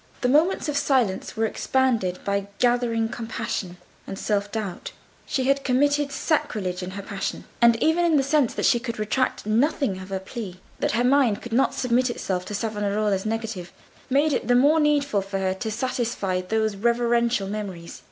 The moments of silence were expanded by gathering compunction and self doubt. She had committed sacrilege in her passion. And even the sense that she could retract nothing of her plea, that her mind could not submit itself to Savonarola's negative, made it the more needful to her to satisfy those reverential memories.